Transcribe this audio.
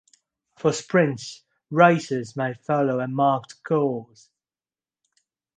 For sprints, racers may follow a marked course.